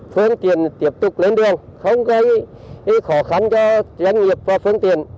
phương tiện tiếp tục lên đường không gây khó khăn cho doanh nghiệp và phương tiện